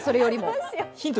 ヒント